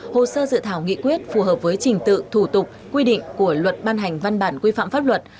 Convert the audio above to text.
hồ sơ dự thảo nghị quyết phù hợp với trình tự thủ tục quy định của luật ban hành văn bản quy phạm pháp luật